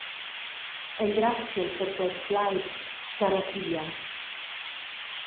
Engraziel per quels plaids, Sarafia.